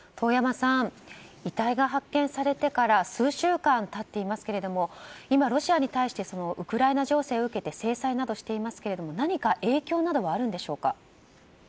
遺体が発見されてから数週間経っていますが今、ロシアに対してウクライナ情勢を受けて制裁などをしていますが何か影響などはありますか？